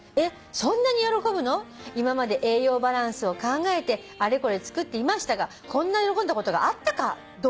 「今まで栄養バランスを考えてあれこれ作っていましたがこんな喜んだことがあったかどうか」